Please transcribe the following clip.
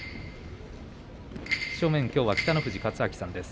正面は北の富士勝昭さんです。